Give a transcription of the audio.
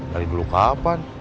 dari dulu kapan